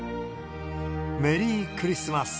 メリークリスマス。